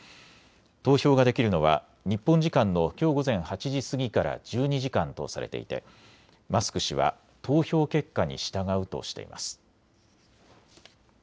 投票ができるのは日本時間のきょう午前８時過ぎから１２時間とされていてマスク氏は投票結果に従うとしています。